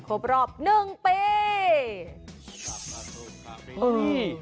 ครบรอบ๑ปี